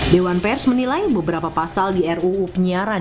dewan pers menilai beberapa pasal di ruu penyiaran